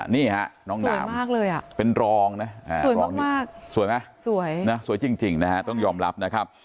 นี่น้องหนามเป็นรองนะสวยมากสวยจริงต้องยอมรับนะครับ